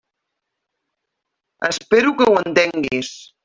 Espero que ho entenguis.